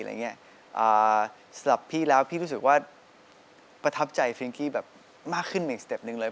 สำหรับพี่แล้วพี่รู้สึกว่าประทับใจฟิงกี้แบบมากขึ้นอีกสเต็ปหนึ่งเลย